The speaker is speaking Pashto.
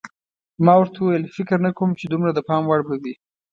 ما ورته وویل: فکر نه کوم چې دومره د پام وړ به وي.